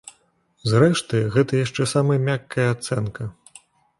Зрэшты, гэта яшчэ самая мяккая ацэнка.